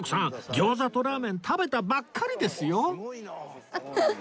餃子とラーメン食べたばっかりですよ